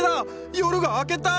夜が明けた！